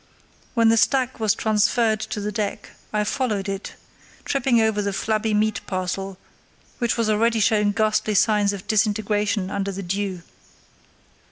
When the stack was transferred to the deck I followed it, tripping over the flabby meat parcel, which was already showing ghastly signs of disintegration under the dew.